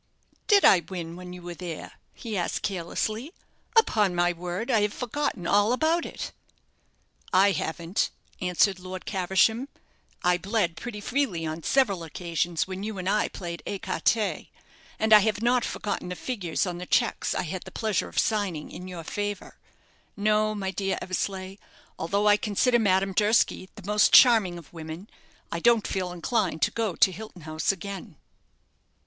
"Did I win when you were there?" he asked, carelessly. "Upon my word, I have forgotten all about it." "I haven't," answered Lord Caversham. "I bled pretty freely on several occasions when you and I played écarté; and I have not forgotten the figures on the cheques I had the pleasure of signing in your favour. No, my dear Eversleigh, although I consider Madame Durski the most charming of women, I don't feel inclined to go to Hilton House again."